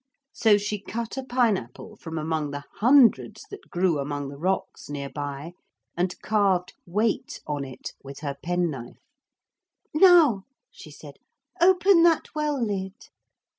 So she cut a pine apple from among the hundreds that grew among the rocks near by, and carved 'WAIT' on it with her penknife. 'Now,' she said, 'open that well lid.'